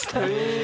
え。